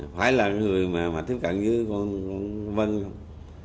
phải là người mà tiếp cận với con vân không